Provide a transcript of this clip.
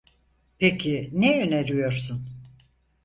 Peki ne öneriyorsun?